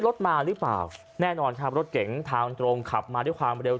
รถมาหรือเปล่าแน่นอนครับรถเก๋งทางตรงขับมาด้วยความเร็ว